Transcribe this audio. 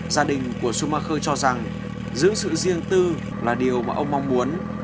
gia đình của schumacher cho rằng giữ sự riêng tư là điều mà ông mong muốn